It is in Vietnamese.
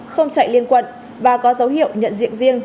không chạy liên quận và có dấu hiệu nhận diện riêng